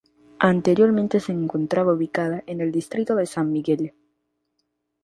Anteriormente se encontraba ubicada en el Distrito de San Miguel.